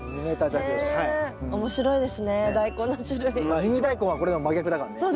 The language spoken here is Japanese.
ミニダイコンはこれの真逆だからね。